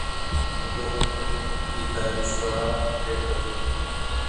د پوهنتون اداره شورا پرېکړه کوي.